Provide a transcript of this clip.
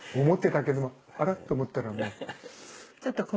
思ってたけどもあら？と思ったらもう。